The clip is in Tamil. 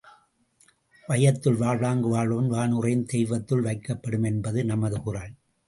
வையத்துள் வாழ்வாங்கு வாழ்பவன் வானுறையும் தெய்வத்துள் வைக்கப் படும் என்பது நமது குறள்.